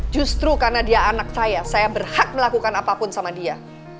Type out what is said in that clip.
justru karena dia anak saya saya berhak melakukan apapun sama dia